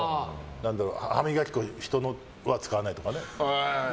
歯磨き粉、人のは使わないとか。